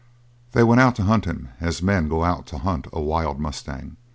They went out to hunt him as men go out to hunt a wild mustang.